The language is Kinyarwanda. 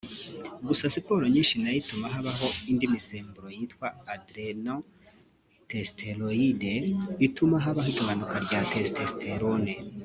Gusa siporo nyinshi nayo ituma habaho indi misemburo yitwa ‘adrenal steroid’ ituma habaho igabanuka rya ‘testosterone’